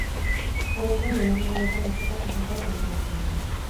Horrez gain, honako egunetan azokak eta jaiak antolatzen dira.